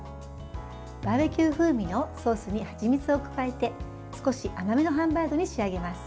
バーベキュー風味のソースにはちみつを加えて少し甘めのハンバーグに仕上げます。